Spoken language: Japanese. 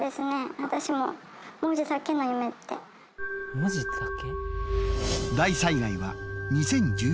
文字だけ？